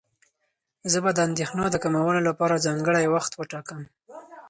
زه به د اندېښنو د کمولو لپاره ځانګړی وخت وټاکم.